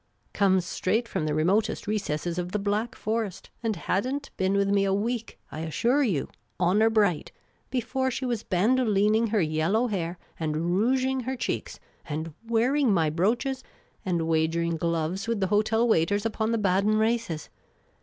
Comes straight from the remotest recesses of the Black Forest, and had n't been with me a week, I assure you, honour bright, before she was bandolining her yellow hair, and rouging her cheeks, and wearing my brooches, and wagering gloves with the hotel waiters upon the Baden races.